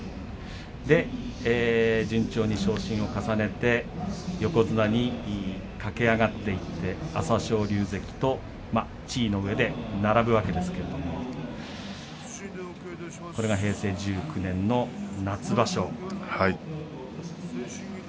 順調に昇進を重ねて横綱に駆け上がっていって朝青龍関と地位の上で並ぶわけですけれどもこれは平成１９年の、夏場所。